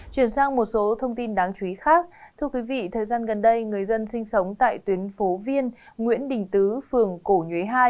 thưa quý vị thời gian gần đây người dân sinh sống tại tuyến phố viên nguyễn đình tứ phường cổ nhuế hai